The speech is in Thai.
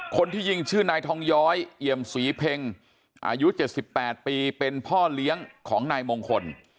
คนที่ยิงชื่อนายทองย้อยเอี่ยมศรีเพ็งอายุ๗๘ปีเป็นพ่อเลี้ยงของนายมงคล